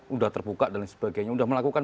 sudah terbuka dan sebagainya sudah melakukan